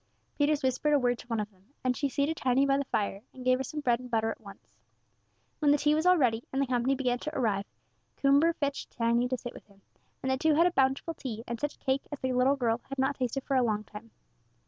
Peters whispered a word to one of them, and she seated Tiny by the fire, and gave her some bread and butter at once. When the tea was all ready, and the company began to arrive, Coomber fetched Tiny to sit with him, and the two had a bountiful tea, and such cake as the little girl had not tasted for a long time.